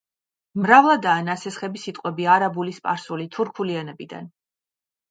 მრავლადაა ნასესხები სიტყვები არაბული, სპარსული, თურქული ენებიდან.